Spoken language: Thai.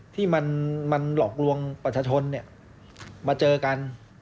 ที่มันหลอกลวงประชาชนมาเจอกัน